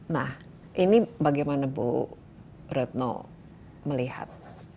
nah ini bagaimana bu rutnam melihat